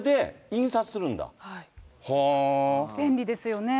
便利ですよね。